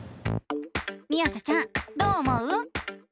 みあさちゃんどう思う？